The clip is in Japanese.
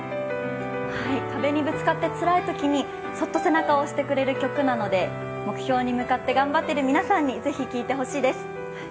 壁にぶつかってつらいときにそっと背中を押してくれる曲なので目標に向かって頑張ってる皆さんにぜひ聴いてもらいたいです。